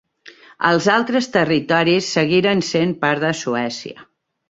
Els altres territoris seguiren sent part de Suècia.